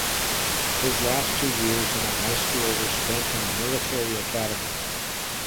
His last two years in high school were spent in a military academy.